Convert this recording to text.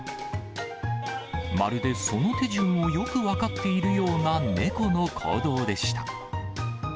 まるでその手順をよく分かっているような猫の行動でした。